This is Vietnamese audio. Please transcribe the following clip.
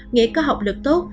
nghĩa có học lực tốt